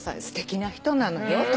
すてきな人なのよ